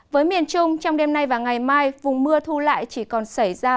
với miền trung trong đêm nay và ngày mai vùng mưa thu lại chỉ còn xảy ra